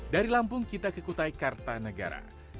dari lampung kita ke kutai kartanegara